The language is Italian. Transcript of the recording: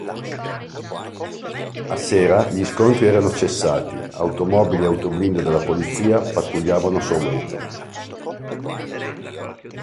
A sera, gli scontri erano cessati; automobili e autoblindo della polizia pattugliavano Soweto.